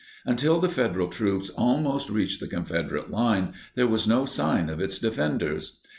Until the Federal troops almost reached the Confederate line, there was no sign of its defenders.